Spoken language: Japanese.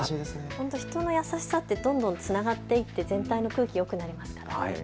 本当に人の優しさってどんどんつながっていって全体の空気がよくなりますよね。